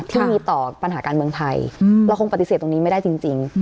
ที่มีต่อปัญหาการเมืองไทยเราคงปฏิเสธตรงนี้ไม่ได้จริง